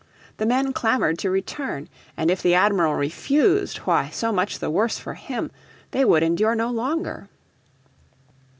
The men clamoured to return. And if the Admiral refused, why, so much the worse for him. They would endure no longer.